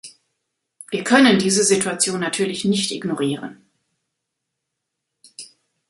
Wir können diese Situation natürlich nicht ignorieren.